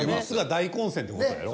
大混戦って事やろ？